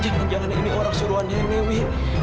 jangan jangan ini orang suruhannya newi